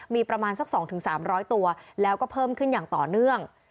มีประมาณสักสองถึงสามร้อยตัวแล้วก็เพิ่มขึ้นอย่างต่อเนื่อง